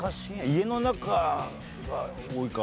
家の中が多いか。